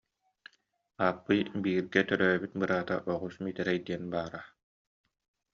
Ааппый бииргэ төрөөбүт быраата Оҕус Миитэрэй диэн баара